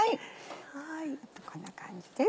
こんな感じです。